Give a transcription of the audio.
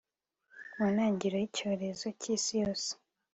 Mu ntangiriro yicyorezo cyisi yose